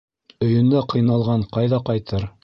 Өйөндә ҡыйналған ҡайҙа ҡайтыр?